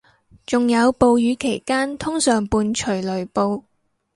仲有暴雨期間通常伴隨雷暴